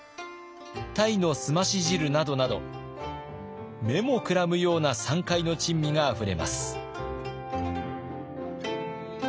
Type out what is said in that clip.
タイの澄まし汁などなど目もくらむような山海の珍味があふれます。